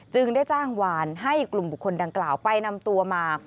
ได้จ้างวานให้กลุ่มบุคคลดังกล่าวไปนำตัวมา